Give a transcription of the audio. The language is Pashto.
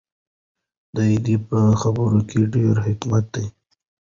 د ده په خبرو کې ډېر حکمت دی.